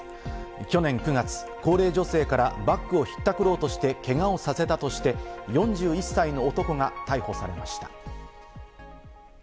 去年９月、高齢女性からバッグをひったくろうとして、けがをさせたとして４１歳の男が逮捕されました。